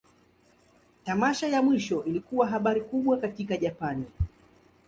Tamasha ya mwisho ilikuwa habari kubwa katika Japan.